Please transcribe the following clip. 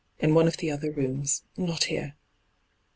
In one of the other rooms. Not here.'